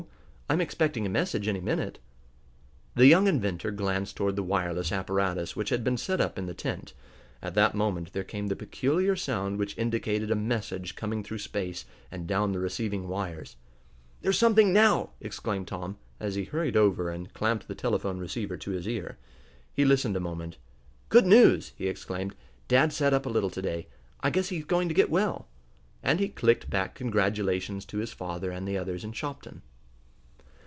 I'm expecting a message any minute." The young inventor glanced toward the wireless apparatus which had been set up in the tent. At that moment there came the peculiar sound which indicated a message coming through space, and down the receiving wires. "There's something now!" exclaimed Tom, as he hurried over and clamped the telephone receiver to his ear. He listened a moment. "Good news!" he exclaimed. "Dad sat up a little to day! I guess he's going to get well!" and he clicked back congratulations to his father and the others in Shopton.